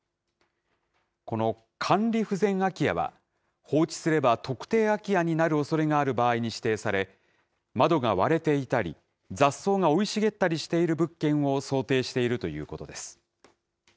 この管理不全空き家は、放置すれば特定空き家になるおそれがある場合に指定され、窓が割れていたり、雑草が生い茂ったりしている物件を想定しているということです。